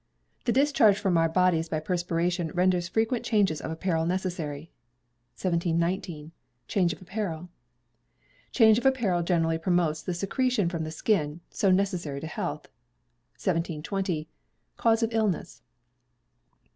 The discharge from our bodies by perspiration renders frequent changes of apparel necessary. 1719. Change of Apparel. Change of apparel greatly promotes the secretion from the skin, so necessary to health. 1720. Cause of Illness.